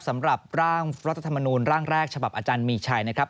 สำหรับร่างรัฐธรรมนูลร่างแรกฉบับอาจารย์มีชัยนะครับ